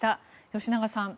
吉永さん